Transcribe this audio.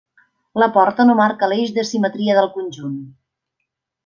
La porta no marca l'eix de simetria del conjunt.